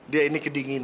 dia ini kedinginan